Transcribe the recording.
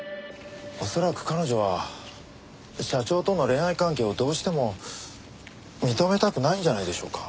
恐らく彼女は社長との恋愛関係をどうしても認めたくないんじゃないでしょうか。